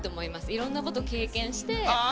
いろんなことを経験して。